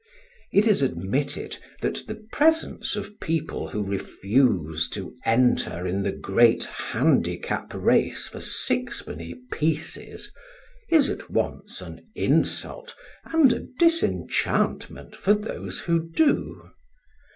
It is admitted that the presence of people who refuse to enter in the great handicap race for sixpenny pieces, is at once an insult and a disenchantment for those who do.